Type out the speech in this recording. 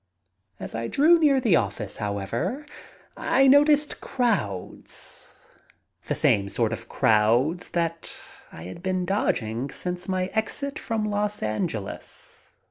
As I drew near the office, however, I noticed crowds, the same sort of crowds that I had been dodging since my exit from Los Angeles.